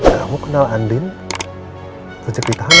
kamu kenal andin sejak di tahanan